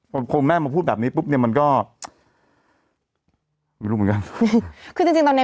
พอพอแม่มาพูดแบบนี้ปุ๊บเนี้ยมันก็ไม่รู้เหมือนกันคือจริงจริงตอนเนี้ย